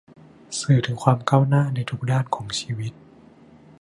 สื่อถึงความก้าวหน้าในทุกด้านของชีวิต